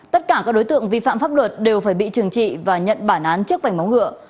tất cả các đối tượng vi phạm pháp luật đều phải bị trừng trị và nhận bản án trước vảnh móng ngựa